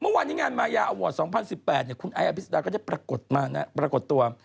เมื่อวานนี้งานมายาอวอร์ด๒๐๑๘คุณไอ้อภิษดาก็ได้ปรากฏตัว